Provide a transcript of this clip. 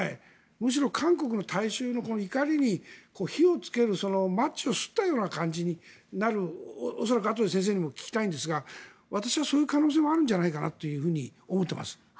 むしろ韓国の大衆の怒りに火をつけるマッチをすったような感じになるあとで先生にも聞きたいんですが私はその可能性もあるんじゃないかと思っています。